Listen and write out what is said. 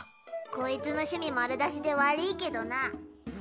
こいつの趣味丸出しで悪ぃけどな。